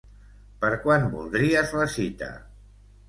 Per quan voldries la cita?